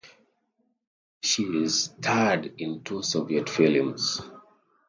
She starred in two Soviet films.